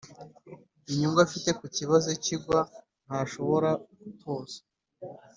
inyungu afite ku kibazo cyigwa ntashobora gutora